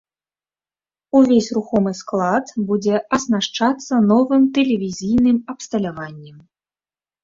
Увесь рухомы склад будзе аснашчацца новым тэлевізійным абсталяваннем.